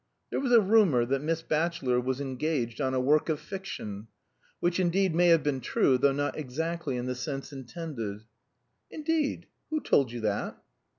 There was a rumor that Miss Batchelor was engaged on a work of fiction, which indeed may have been true, though not exactly in the sense intended. "Indeed; who told you that?"